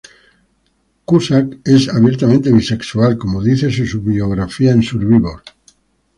Cusack es abiertamente bisexual, como dice su biografía en Survivor.